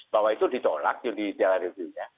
bahwa itu ditolak judicial review